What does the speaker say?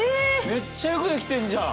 めっちゃよく出来てんじゃん！